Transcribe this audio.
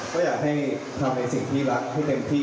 ก็อยากให้ทำในสิ่งที่รักให้เต็มที่